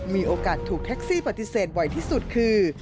มีโอกาสถูกแท็กซี่ปฏิเสธบ่อยที่สุดคือ